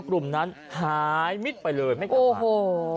กลุ่มนั้นหายมิดไปเลยไม่กลับมา